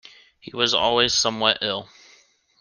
He was always somewhat ill.